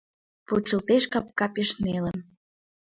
Почылтеш капка пеш нелын